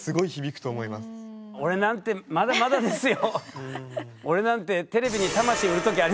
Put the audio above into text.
俺なんてまだまだですよ。